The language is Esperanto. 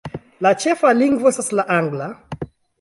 La ĉefa lingvo estas la Angla.